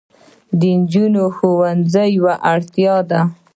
د نجونو ښوونځي یوه اړتیا ده.